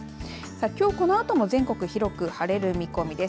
きょうはこのあとも全国広く晴れる見込みです。